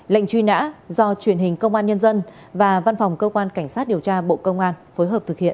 lệnh truy nã do truyền hình công an nhân dân và văn phòng cơ quan cảnh sát điều tra bộ công an phối hợp thực hiện